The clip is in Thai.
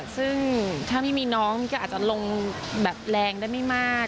ซึ่งถ้าไม่มีน้องก็อาจจะลงแบบแรงได้ไม่มาก